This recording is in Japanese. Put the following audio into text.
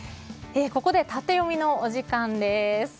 ここでタテヨミのお時間です。